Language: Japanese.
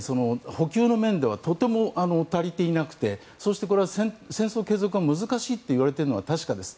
補給の面ではとても足りていなくて戦争継続は難しいといわれているのは確かです。